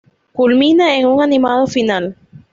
Culmina en un animado final.